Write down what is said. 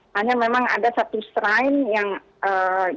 hanya memang ada satu shrine yang tembok